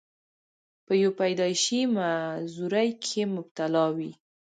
پۀ يو پېدائشي معذورۍ کښې مبتلا وي،